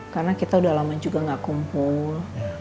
karena kita udah lama juga gak kumpul